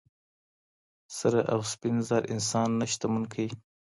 سره او سپین زر انسان نه شتمن کوي.